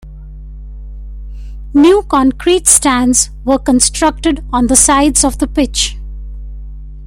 New concrete stands were constructed on the sides of the pitch.